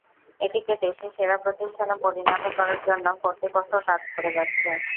এটিকে দেশের সেরা প্রতিষ্ঠানে পরিণত করার জন্য কর্তৃপক্ষ কাজ করে যাচ্ছে।